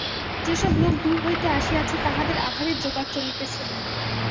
যে-সব লোক দূর হইতে আসিয়াছে তাহাদের আহারের জোগাড় চলিতেছে।